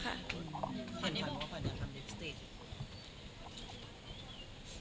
ขวัญที่บอกว่าขวัญอยากทำลิปสติก